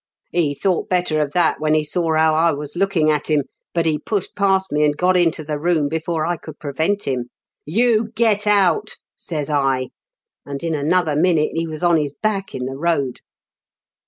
" He thought better of that when he saw how I was looking at him ; but he pushed past me, and got into the room before I could prevent him. "* You get out 1 ' says I, and in another minute he was on his back in the road.